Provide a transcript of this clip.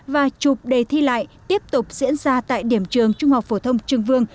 và chụp đề thi lại tiếp tục diễn ra tại điểm trường trung học phổ thông trường vương